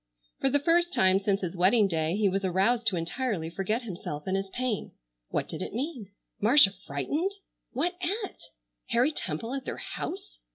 For the first time since his wedding day he was aroused to entirely forget himself and his pain. What did it mean? Marcia frightened! What at? Harry Temple at their house!